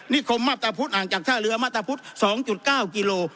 นิคมมาตรพุธห่างจากท่าเรือมาตรพุธสองจุดเก้ากิโล